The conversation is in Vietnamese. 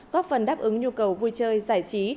góp phần đáp ứng nhu cầu vui chơi giải trí